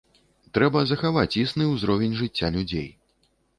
Трэба захаваць існы ўзровень жыцця людзей.